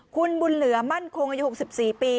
คุณบุญเหลือมั่นคงอายุ๖๔ปี